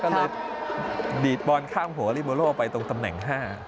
ก็เลยดีดบอลข้ามหัวลิโบโลไปตรงตำแหน่ง๕